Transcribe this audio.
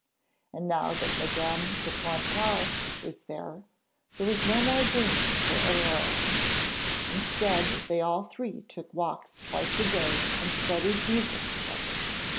And now that Madame de Pontcarré was there, there was no more dreaming for Aurore. Instead, they all three took walks twice a day and studied music together.